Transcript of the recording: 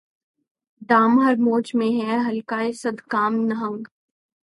دام ہر موج میں ہے حلقۂ صد کام نہنگ